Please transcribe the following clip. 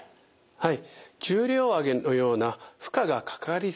はい。